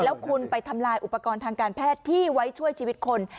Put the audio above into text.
แล้วคุณไปทำลายอุปกรณ์ทางการแพทย์ที่ไว้ช่วยชีวิตคน